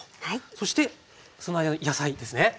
そしてその間に野菜ですね。